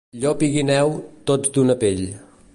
Llop i guineu, tots d'una pell.